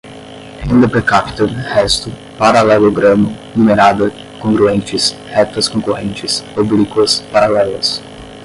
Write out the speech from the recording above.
renda per capta, resto, paralelogramo, numerada, congruentes, retas concorrentes, oblíquas, paralelas